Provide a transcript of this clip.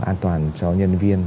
an toàn cho nhân viên